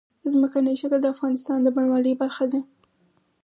ځمکنی شکل د افغانستان د بڼوالۍ برخه ده.